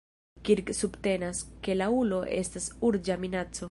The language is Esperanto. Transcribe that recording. Kirk subtenas, ke la ulo estas urĝa minaco.